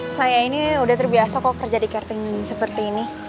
saya ini sudah terbiasa kok kerja di carting seperti ini